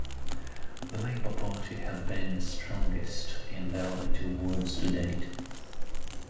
The Labour Party have been strongest in the other two wards to date.